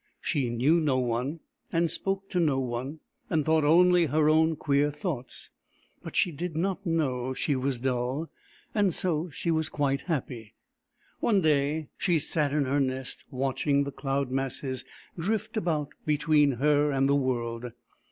She knew no one, and spoke to no one, and thought only her own queer thoughts. But she did not know she was dull, and so she was quite happy. One day she sat in her nest, watching the cloud masses drift about between her and the world.